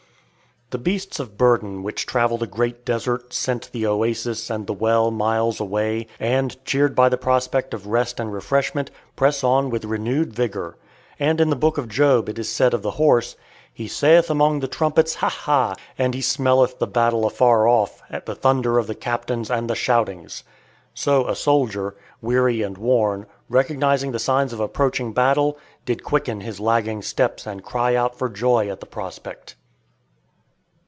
The beasts of burden which travel the Great Desert scent the oasis and the well miles away, and, cheered by the prospect of rest and refreshment, press on with renewed vigor; and in the book of Job it is said of the horse, "He saith among the trumpets, Ha! ha! and he smelleth the battle afar off, the thunder of the captains, and the shoutings." So a soldier, weary and worn, recognizing the signs of approaching battle, did quicken his lagging steps and cry out for joy at the prospect.